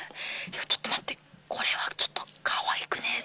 ちょっと待ってこれはちょっとかわいくねぇぞ。